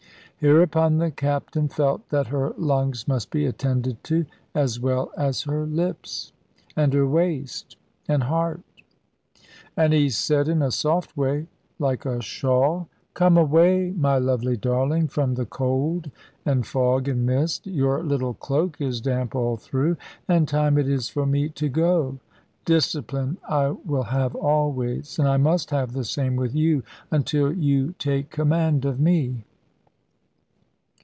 Hereupon the captain felt that her lungs must be attended to, as well as her lips, and her waist, and heart; and he said in a soft way, like a shawl "Come away, my lovely darling, from the cold, and fog, and mist. Your little cloak is damp all through; and time it is for me to go. Discipline I will have always; and I must have the same with you, until you take command of me."